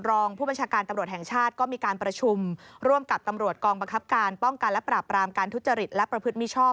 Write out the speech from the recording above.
รองผู้บัญชาการตำรวจแห่งชาติก็มีการประชุมร่วมกับตำรวจกองบังคับการป้องกันและปราบรามการทุจริตและประพฤติมิชชอบ